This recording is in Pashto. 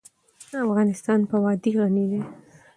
افغانستان په وادي غني دی.